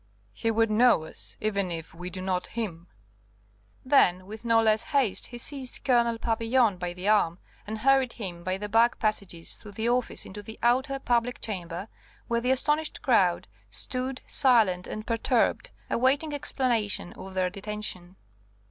He would know us, even if we do not him." Then with no less haste he seized Colonel Papillon by the arm and hurried him by the back passages through the office into the outer, public chamber, where the astonished crowd stood, silent and perturbed, awaiting explanation of their detention.